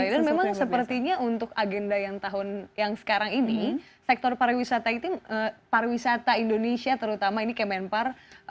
dan memang sepertinya untuk agenda yang sekarang ini sektor pariwisata itu pariwisata indonesia terutama ini kemenpar